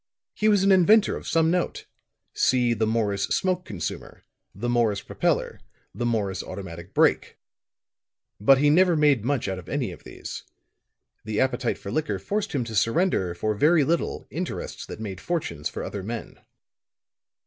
He was an inventor of some note. See the Morris Smoke Consumer the Morris Propeller the Morris Automatic Brake. But he never made much out of any of these. The appetite for liquor forced him to surrender, for very little, interests that made fortunes for other men.